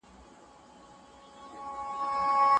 ملا له کټه په ډېر مهارت سره پاڅېد.